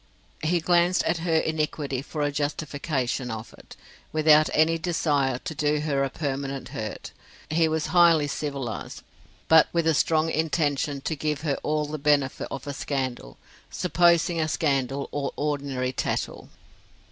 He glanced at her iniquity for a justification of it, without any desire to do her a permanent hurt: he was highly civilized: but with a strong intention to give her all the benefit of a scandal, supposing a scandal, or ordinary tattle.